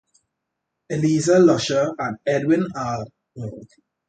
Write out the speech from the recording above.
Eleazer Lusher and Edward Alleyn were among his parishioners.